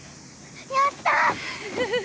やったー！